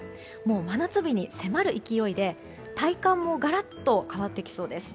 真夏日に迫る勢いで体感もがらっと変わってきそうです。